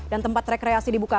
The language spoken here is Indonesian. dan tempat rekreasi dibuka